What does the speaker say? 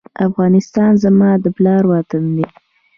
افغانستان زما د پلار وطن دی؟